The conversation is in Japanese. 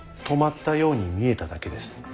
止まったように見えただけです。